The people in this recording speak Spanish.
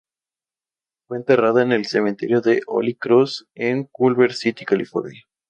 Fue enterrada en el Cementerio de Holy Cross, en Culver City, California.